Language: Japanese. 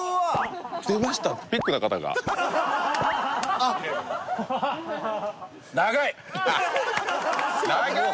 あっ「長い！！」